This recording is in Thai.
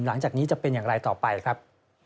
หลังจากนี้จะเป็นอย่างไรต่อไปครับ